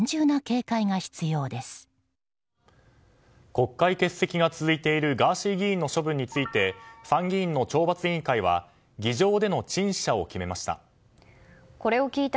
国会欠席が続いているガーシー議員の処分について参議院の懲罰委員会は議場での陳謝を決めました。